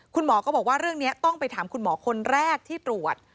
คุณหมอก็บอกว่าเรื่องนี้ต้องไปถามคุณหมอคนแรกที่ตรวจ